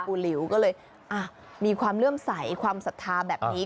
หลิวก็เลยมีความเลื่อมใสความศรัทธาแบบนี้